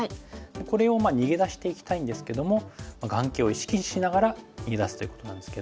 これを逃げ出していきたいんですけども眼形を意識しながら逃げ出すということなんですけど。